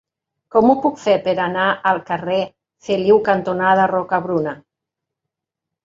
Com ho puc fer per anar al carrer Feliu cantonada Rocabruna?